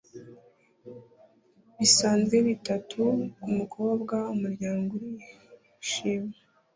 bisanzwe bitatu kumukobwa, umuryango urishima